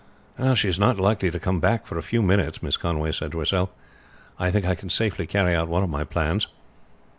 "She is not likely to come back for a few minutes," Mrs. Conway said to herself. "I think I can safely carry out one of my plans."